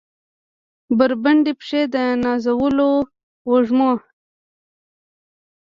بربنډې پښې د نازولو وږمو